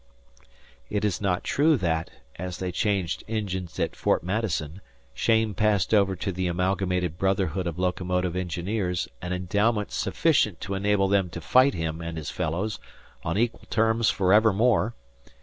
It is not true that, as they changed engines at Fort Madison, Cheyne passed over to the Amalgamated Brotherhood of Locomotive Engineers an endowment sufficient to enable them to fight him and his fellows on equal terms for evermore.